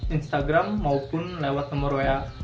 instagram maupun lewat nomor wa